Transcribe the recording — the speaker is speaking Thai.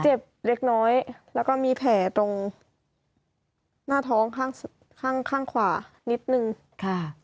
เจ็บเล็กน้อยแล้วก็มีแผลตรงหน้าท้องข้างข้างขวานิดนึงค่ะ